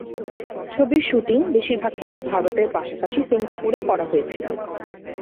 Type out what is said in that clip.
ছবিটির শুটিং বেশিরভাগ ক্ষেত্রে ভারতের পাশাপাশি সিঙ্গাপুরে করা হয়েছিল।